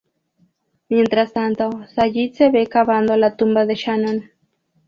Mientras tanto, Sayid se ve cavando la tumba de Shannon.